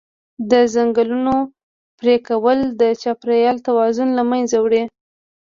د ځنګلونو پرېکول د چاپېریال توازن له منځه وړي.